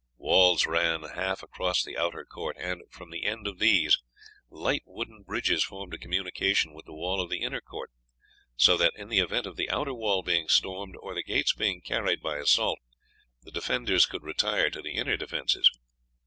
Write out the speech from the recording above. Walls ran half across the outer court, and, from the end of these, light wooden bridges formed a communication with the wall of the inner court, so that in the event of the outer wall being stormed or the gates being carried by assault, the defenders could retire to the inner defences.